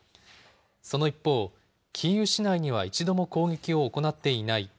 その一方、キーウ市内には一度も攻撃を行っていない。